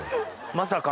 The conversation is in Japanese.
まさか？